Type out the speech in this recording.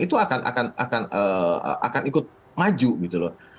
itu akan ikut maju gitu loh